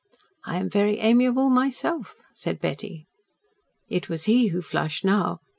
"I am very amiable myself," said Betty. It was he who flushed now.